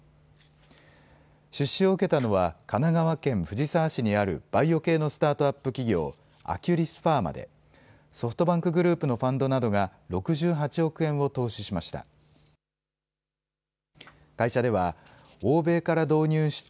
出資を受けたのは神奈川県藤沢市にあるバイオ系のスタートアップ企業、アキュリスファーマでソフトバンクグループのファンドなどが６８億円を投資しました。